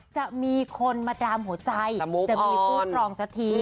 จะมีคนมาดามหัวใจจะมีคู่ครองสักที